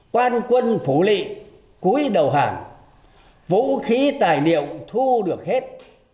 quan quân phủ lị cúi đầu hàng vũ khí tài niệm thu được hết